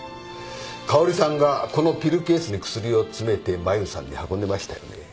香織さんがこのピルケースに薬を詰めてマユさんに運んでましたよね。